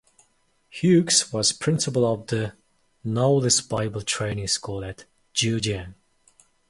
Hughes was principal of the Knowles Bible Training School at Jiujiang.